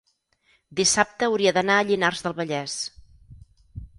dissabte hauria d'anar a Llinars del Vallès.